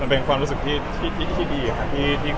มันเป็นความรู้สึกที่ดีค่ะว่าเขารับดู